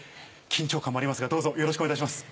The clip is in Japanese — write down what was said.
緊張感もありますがどうぞよろしくお願いいたします。